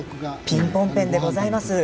ピンポンペンでございます。